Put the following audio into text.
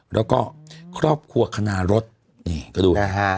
แล้วก็ครอบครัวคณารถนี่ก็ดู